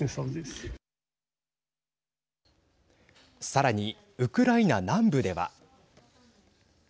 さらに、ウクライナ南部では。